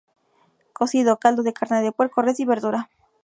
Cocido: caldo de carne de puerco, res y verdura.